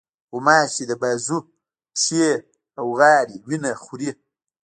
غوماشې د بازو، پښې، او غاړې وینه خوري.